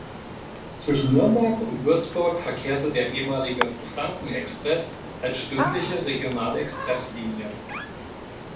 Zwischen Nürnberg und Würzburg verkehrte der ehemalige "Franken-Express" als stündliche Regional-Express-Linie.